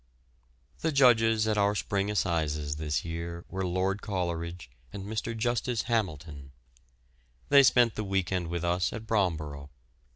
] The judges at our Spring Assizes this year were Lord Coleridge and Mr. Justice Hamilton. They spent the week end with us at Bromborough.